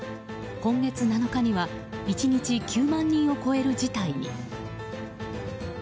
今月７日には１日９万人を超える事態に。